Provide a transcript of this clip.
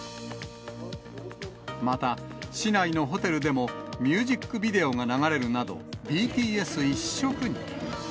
また、市内のホテルでもミュージックビデオが流れるなど、ＢＴＳ一色に。